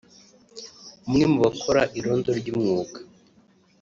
umwe mu bakora irondo ry’umwuga